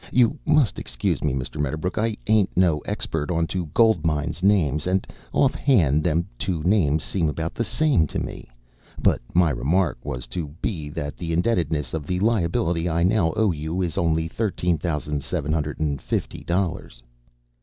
"You must excuse me, Mr. Medderbrook. I ain't no expert onto gold mines' names and, offhand, them two names seem about the same to me. But my remark was to be that the indebtedness of the liability I now owe you is only thirteen thousand seven hundred and fifty dollars."